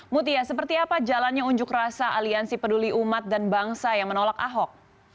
mutia seperti apa jalannya unjuk rasa aliansi peduli umat dan bangsa yang menolak ahok